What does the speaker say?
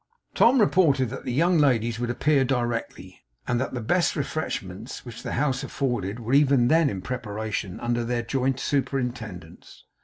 Tom reported that the young ladies would appear directly, and that the best refreshments which the house afforded were even then in preparation, under their joint superintendence.